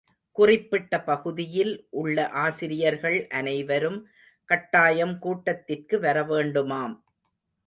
குறிப்பிட்ட பகுதியில் உள்ள ஆசிரியர்கள் அனைவரும் கட்டாயம் கூட்டத்திற்கு வர வேண்டுமாம்.